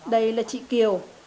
đây là chị kiều